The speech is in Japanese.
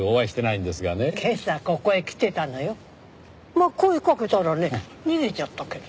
まあ声かけたらね逃げちゃったけど。